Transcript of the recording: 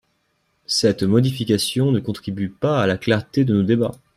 Cette modification ne contribue pas à la clarté de nos débats.